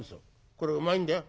これうまいんだよ。